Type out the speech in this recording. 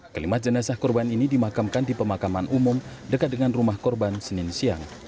kelima jenazah korban ini dimakamkan di pemakaman umum dekat dengan rumah korban senin siang